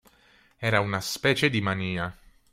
Era una specie di mania.